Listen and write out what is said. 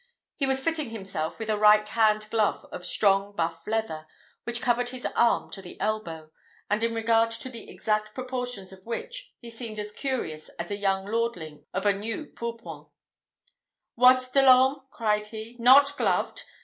He was fitting himself with a right hand glove of strong buff leather, which covered his arm to the elbow, and in regard to the exact proportions of which, he seemed as curious as a young lordling of a new pourpoint. "What, De l'Orme," cried he, "not gloved!